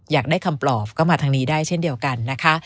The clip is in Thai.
อยากได้คำปลอบก็มาทางนี้ได้เช่นเดียวกันนะคะ